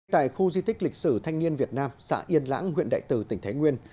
tại khu di tích lịch sử thanh niên việt nam xã yên lãng huyện đại từ tỉnh thái nguyên